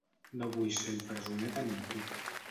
No vull ser el presoner de ningú.